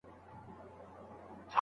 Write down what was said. د توحيد لاره په علم او پوهې سره وهئ.